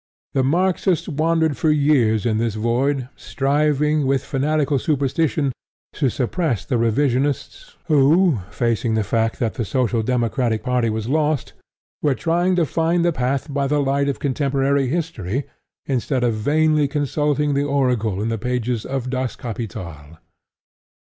The Marxists wandered for years in this void, striving, with fanatical superstition, to suppress the Revisionists who, facing the fact that the Social Democratic party was lost, were trying to find the path by the light of contemporary history instead of vainly consulting the oracle in the pages of Das Kapital.